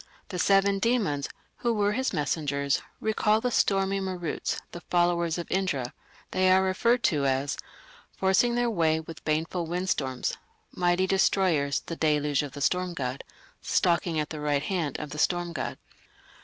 The seven demons, who were his messengers, recall the stormy Maruts, the followers of Indra. They are referred to as Forcing their way with baneful windstorms, Mighty destroyers, the deluge of the storm god, Stalking at the right hand of the storm god.